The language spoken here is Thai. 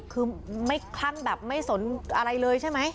คือไม่คลั่งแบบไม่สนอะไรเลยใช่ไหม